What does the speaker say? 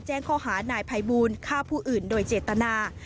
แจ้งข้อหานายภัยบูลฆ่าผู้อื่นโดยเจตนา